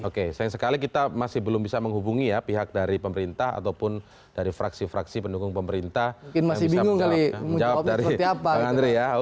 oke sayang sekali kita masih belum bisa mencari jawabannya